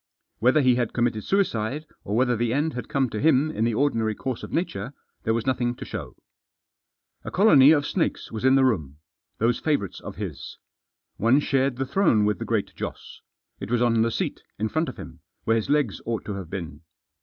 Whether he had committed suicide, or whether the end had come to him in the ordinary course of nature, there was nothing to show. A colony of snakes was in the room. Those favourites of his. One shared the throne with the Great Joss. It was on the seat, in front of him, where his legs ought to have been.